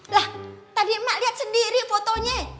lah tadi emak liat sendiri fotonya